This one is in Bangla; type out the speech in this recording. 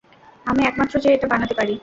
আমি একমাত্র যে এটা বানাতে পারি।